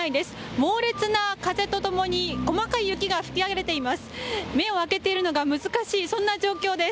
猛烈な風とともに、細かい雪が吹き荒れています。